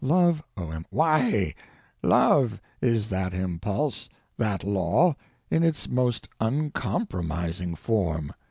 Love— O.M. Why, love is that impulse, that law, in its most uncompromising form.